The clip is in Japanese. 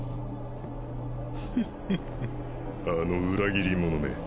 フッフッフッあの裏切り者め。